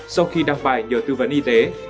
sau khi đăng bài nhờ tư vấn y tế